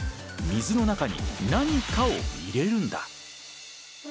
水の中に何かを入れるんだ。